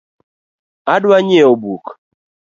Adwa ng’iewo buk